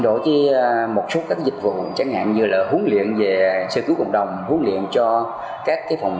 đổi một số các dịch vụ chẳng hạn như là huấn luyện về sơ cứu cộng đồng huấn luyện cho các cái phòng